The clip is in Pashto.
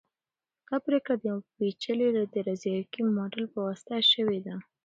دا پریکړه د یو پیچلي ریاضیکي ماډل په واسطه شوې ده.